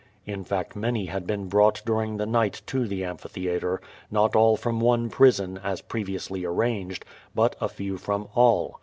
'' In fact,' many had l)een brought during the night to the amphitheatre, not all from one prison, as previously arranged, but a few from all.